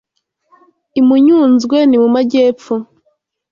I Muyunzwe ni mu majyepfo